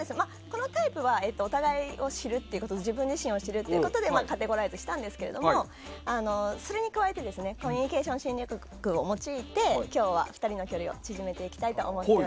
このタイプは、お互いを知る自分自身を知るということでカテゴライズしたんですがそれに加えてコミュニケーション心理学を用いて今日は２人の距離を縮めていきたいと思います。